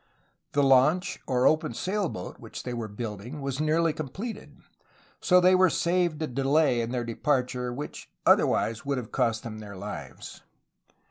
The launch, or open sail boat, which they were building was nearly completed; so they were saved a delay in their departure which otherwise would have cost them their lives.